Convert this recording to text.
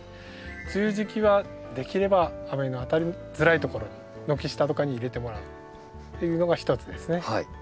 梅雨時期はできれば雨の当たりづらいところに軒下とかに入れてもらうっていうのが一つですね。